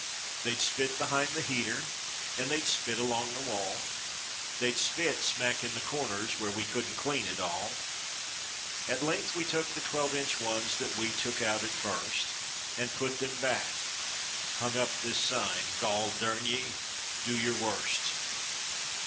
They'd spit behind the heater, and they'd spit along the wall. They'd spit smack in the corners where we couldn't clean at all. At length we took the twelve inch ones that we took out at first, And put them back—hung up this sign—"Gol dern ye, do ye're worst!"